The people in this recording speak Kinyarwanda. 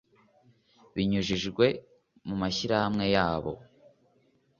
binyujijwe mu mashyirahamwe yabo